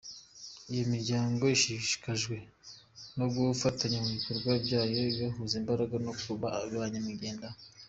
Iyo miryango ishishikajwe no gufatanya mu bikorwa byayo igahuza imbaraga aho kuba banyamwigendaho.